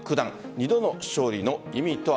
２度の勝利の意味とは。